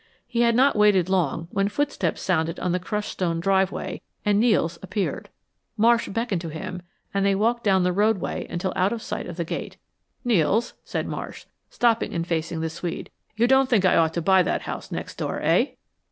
He had not waited long when footsteps sounded on the crushed stone of the driveway and Nels appeared. Marsh beckoned to him and they walked down the roadway until out of sight of the gate. "Nels," said Marsh, stopping and facing the Swede, "you don't think I ought to buy that house next door, eh?"